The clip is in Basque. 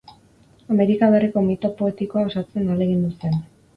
Amerika berriko mito poetikoa osatzen ahalegindu zen.